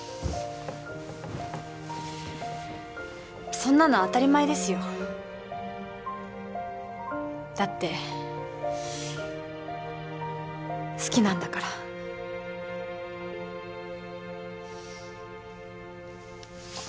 そんなの当たり前ですよだって好きなんだからあっ